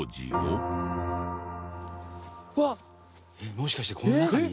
もしかしてこの中に？